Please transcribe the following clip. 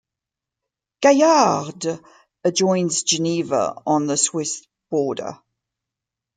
Gaillard adjoins Geneva on the Swiss border.